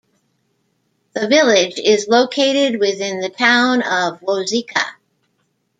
The village is located within the Town of Wauzeka.